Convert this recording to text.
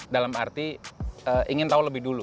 dalam arti ingin tahu lebih dulu